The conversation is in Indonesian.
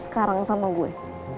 sekarang sama gue